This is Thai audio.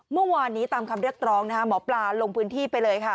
เมื่อวานนี้ตามคำเรียกร้องนะคะหมอปลาลงพื้นที่ไปเลยค่ะ